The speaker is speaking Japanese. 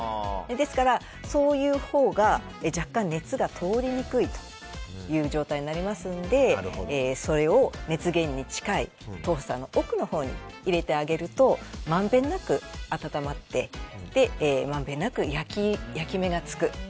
ですから、そういうほうが若干、熱が通りにくい状態になるのでそれを、熱源に近いトースターの奥のほうに入れてあげるとまんべんなく温まってまんべんなく焼き目がつく。